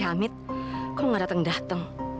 oh mana bebola rafi ananggap risetnya